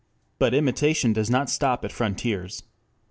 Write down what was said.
But imitation does not stop at frontiers.